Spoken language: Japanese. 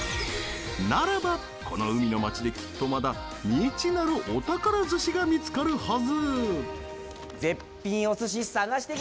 ならば、この海の町できっとまだ未知なるお宝寿司が見つかるはず！